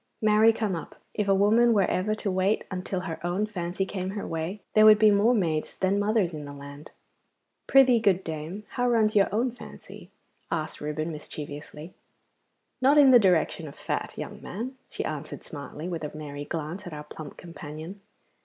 Marry come up! if a woman were ever to wait until her own fancy came her way, there would be more maids than mothers in the land.' 'Prythee, good dame, how runs your own fancy?' asked Reuben mischievously. 'Not in the direction of fat, young man,' she answered smartly, with a merry glance at our plump companion.